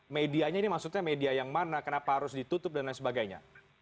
medianya ini maksudnya media yang mana kenapa harus ditutup dan lain sebagainya